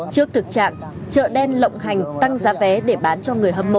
trước thực trạng chợ đen lộng hành tăng giá vé để bán cho người hâm mộ